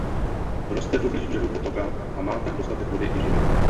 Roste poblíž břehu potoka a má tak dostatek vody i živin.